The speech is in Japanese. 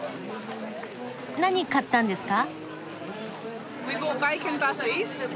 何買ったんですか？